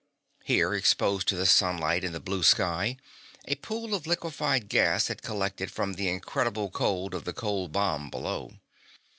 Here, exposed to the sunlight and the blue sky, a pool of liquified gas had collected from the incredible cold of the cold bomb below.